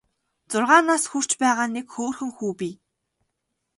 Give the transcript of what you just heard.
Зургаан нас хүрч байгаа нэг хөөрхөн хүү бий.